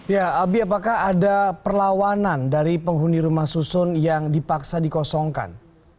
ya albi apakah ada perlawanan dari penghuni rumah susun yang dipaksa dikosongkan